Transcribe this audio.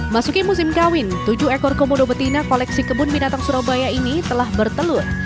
masuki musim kawin tujuh ekor komodo betina koleksi kebun binatang surabaya ini telah bertelur